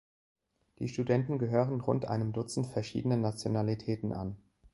Die Studenten gehören rund einem Dutzend verschiedener Nationalitäten an.